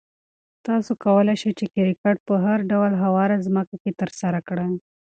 تاسو کولای شئ چې کرکټ په هر ډول هواره ځمکه کې ترسره کړئ.